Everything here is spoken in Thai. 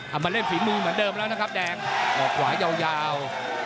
มาเล่นฝีมือเหมือนเดิมแล้วนะครับแดงออกขวายาว